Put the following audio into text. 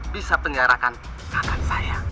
bisa penggarahkan kakak saya